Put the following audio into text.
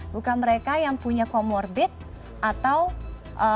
bukan mereka yang punya comorbid atau